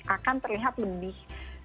akan terlihat lebih